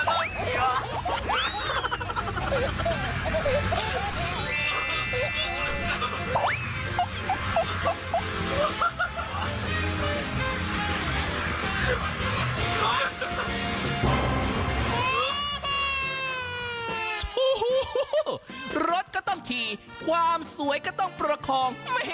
โอ้โหรถก็ต้องขี่ความสวยก็ต้องประคอง